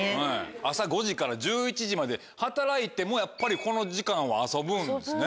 朝５時から１１時まで働いてもやっぱりこの時間は遊ぶんですね。